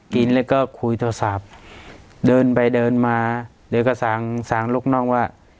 กินแล้วก็คุยโทรศัพท์เดินไปเดินมาเดี๋ยวก็สั่งสั่งลูกน้องว่า